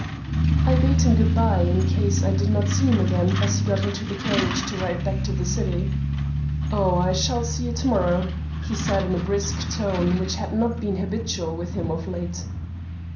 I bade him good by in case I did not see him again, as he got into the carriage to ride back to the city. "Oh, I shall see you to morrow," he said in a brisk tone which had not been habitual with him of late.